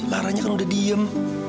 laranya kan udah diem